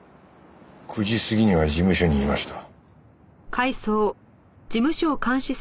９時過ぎには事務所にいました。